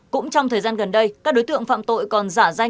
cũng trong thời gian gần đây các đối tượng phạm tội còn giả danh